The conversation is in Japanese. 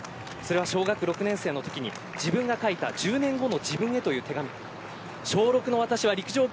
小学６年生のときに自分が書いた１０年後の自分という小６の手紙です。